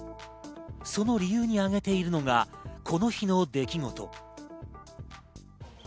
その理由に挙げているのがこの日の出来事。